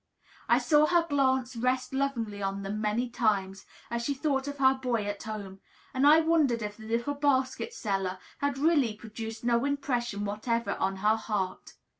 I saw her glance rest lovingly on them many times, as she thought of her boy at home; and I wondered if the little basket seller had really produced no impression whatever on her heart.